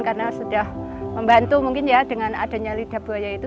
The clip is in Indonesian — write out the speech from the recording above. karena sudah membantu mungkin ya dengan adanya lidah buaya itu